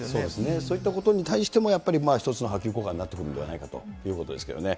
そういったことに対しても、やっぱり一つの波及効果になってくるんではないかということですけれどもね。